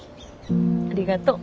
ありがとう。